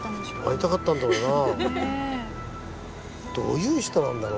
会いたかったんだろうな。